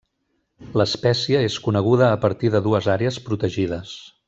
L'espècie és coneguda a partir de dues àrees protegides.